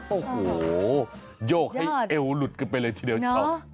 โอ้โหโยกให้เอวหลุดกันไปเลยทีเดียวเฉา